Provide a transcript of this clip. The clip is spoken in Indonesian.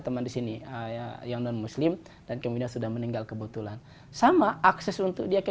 teman di sini yang non muslim dan kemudian sudah meninggal kebetulan sama akses untuk dia ke